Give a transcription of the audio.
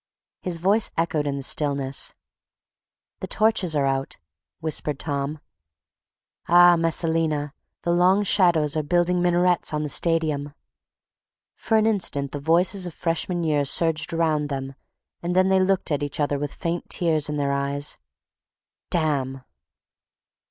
His voice echoed in the stillness. "The torches are out," whispered Tom. "Ah, Messalina, the long shadows are building minarets on the stadium—" For an instant the voices of freshman year surged around them and then they looked at each other with faint tears in their eyes. "Damn!"